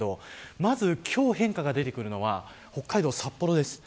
まず、今日変化が出てくるのは北海道、札幌です。